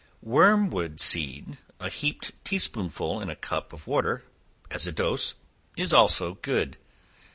Wormwood seed, a heaped tea spoonful in a cup of water, as a dose, is also good.